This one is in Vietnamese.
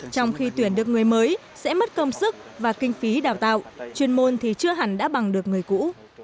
trong khi tuyển được người mới sẽ mất công sức và kinh phí đào tạo chuyên môn thì chưa hẳn đã bằng được người cũ